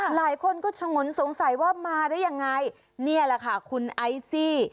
หลายคนก็ฉงนสงสัยว่ามาได้ยังไงนี่แหละค่ะคุณไอซี่